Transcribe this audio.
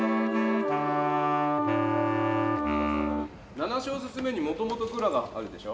７小節目にもともとクラがあるでしょ。